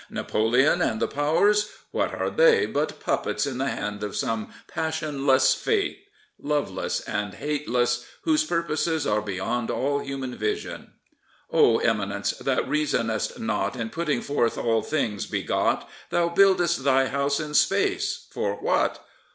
Napoleon and the Powers I What are they but puppets in the hand of some passionless fate, loveless and hateless, whose purposes are beyond all human vision ? O Immanence, That reasonest not In putting forth all things begot. Thou build'st Thy house in space — for what